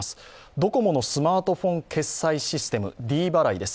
ドコモのスマートフォン決済システム、ｄ払いです。